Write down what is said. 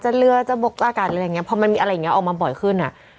เรือจะบกอากาศอะไรอย่างเงี้พอมันมีอะไรอย่างเงี้ออกมาบ่อยขึ้นอ่ะ